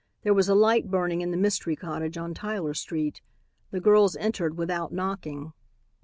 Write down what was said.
There was a light burning in the mystery cottage on Tyler street. The girls entered without knocking.